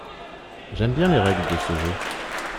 J’aime bien les règles de ce jeu.